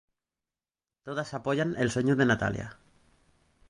Todas apoyan el sueño de Natalia.